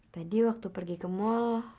tadi waktu pergi ke mal